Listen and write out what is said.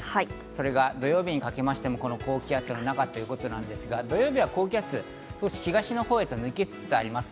それが土曜日にかけましても、この高気圧の中ということですが、土曜日は高気圧が少し東のほうへと抜けつつあります。